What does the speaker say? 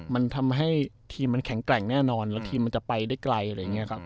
มันทำให้ทีมมันแข็งแกร่งแน่นอนและทีมจะไปได้ไกล